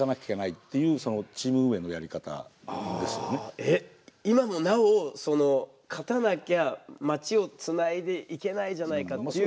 えっ今もなお勝たなきゃ町をつないでいけないじゃないかっていう。